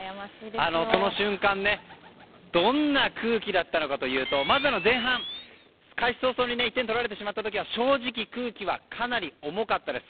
その瞬間どんな空気だったのかというとまず前半、開始早々に１点取られてしまった時は正直、空気はかなり重かったです。